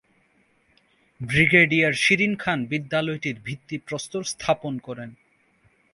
Brigadier Shirin Khan বিদ্যালয়টির ভিত্তি প্রস্তর স্থাপন করেন।